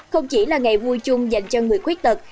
không chỉ là ngày vui chung dành cho người khuyết tật